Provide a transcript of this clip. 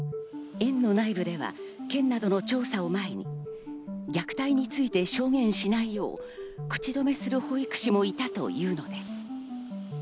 園の内部では県などの調査の前に、虐待について証言しないよう、口止めする保育士もいたというのです。